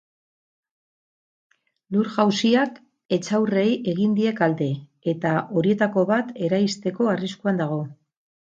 Lur-jauziak etxaurrei egin die kalte, eta horietako bat eraisteko arriskuan dago.